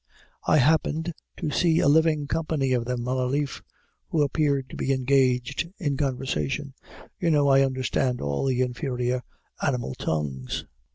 I happened to see a living company of them on a leaf, who appeared to be engaged in conversation. You know I understand all the inferior animal tongues.